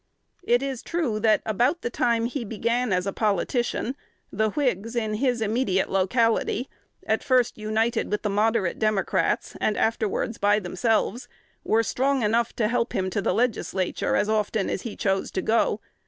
It is true, that about the time he began as a politician, the Whigs in his immediate locality, at first united with the moderate Democrats, and afterwards by themselves, were strong enough to help him to the Legislature as often as he chose to go.